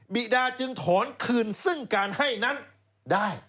บีดาจึงถอนคืนซึ่งการให้นั้นได้